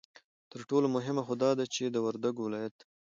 ترټولو مهمه خو دا ده چې د وردگ ولايت